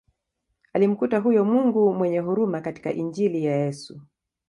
Alimkuta huyo Mungu mwenye huruma katika Injili ya Yesu